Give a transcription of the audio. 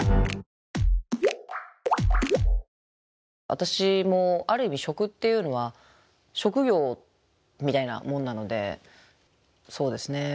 私もある意味食っていうのは職業みたいなもんなのでそうですね